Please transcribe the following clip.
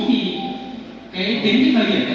thì cái đến cái thời điểm đó